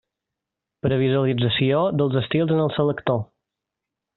Previsualització dels estils en el selector.